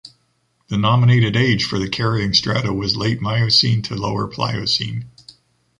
The nominated age for the carrying strata was late Miocene to lower Pliocene.